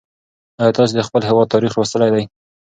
ایا تاسې د خپل هېواد تاریخ لوستلی دی؟